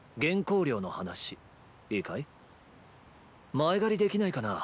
前借りできないかな？